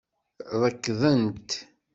Rekdent.